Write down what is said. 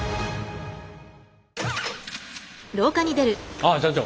ああ社長。